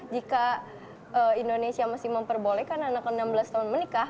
jika indonesia masih memperbolehkan anak enam belas tahun menikah